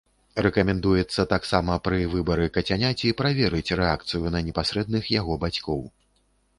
Рэкамендуецца таксама пры выбары кацяняці праверыць рэакцыю на непасрэдных яго бацькоў.